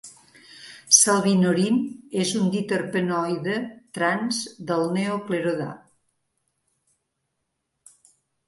Salvinorin és un diterpenoide "trans" del neoclerodà.